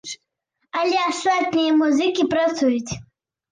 Але астатнія музыкі працуюць.